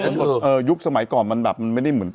ยุคสมัยก่อนมันแบบมันไม่ได้เหมือน